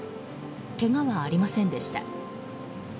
けがはありませんでした。